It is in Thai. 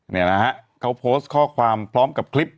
นี่แหละฮะเขาโพสต์ข้อความพร้อมกับคลิป